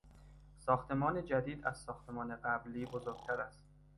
ساختمان جدید از ساختمان قبلی بزرگتر است.